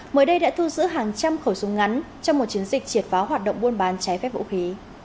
mới đây đã thu giữ hàng trăm khẩu súng ngắn trong một chiến dịch triệt phá hoạt động buôn bán trái phép vũ khí